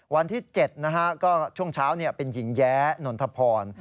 วันที่๗นะฮะก็ช่วงเช้าเป็นหญิงแย้นนทพร